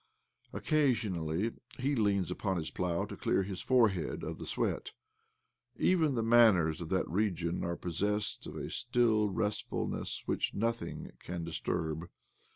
Occasionally he leans upon his plough to clear his forehead, of the sweat. Even the manners of that region are possessed of a still restfulness which nothing can disturb.